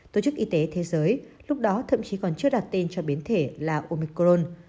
tổ chức y tế thế giới lúc đó thậm chí còn chưa đặt tên cho biến thể là omicron